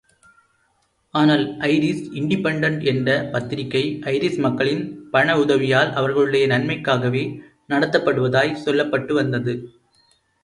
ஆனால், Irish Independent என்ற பத்திரிகை ஐரிஷ் மக்களின் பண உதவியால் அவர்களுடைய நன்மைக்காகவே நடத்தப்படுவதாய்ச் சொல்லப்பட்டு வந்தது.